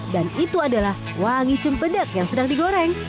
dan itu adalah wangi cempedak yang sedang digoreng